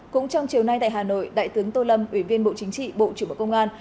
cũng trong chiều nay tại hà nội đại tướng tô lâm ủy viên bộ chính trị bộ trưởng bộ công an